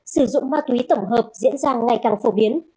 sử dụng ma túy tổng hợp diễn ra ngày càng phổ biến